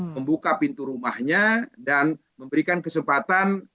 membuka pintu rumahnya dan memberikan kesempatan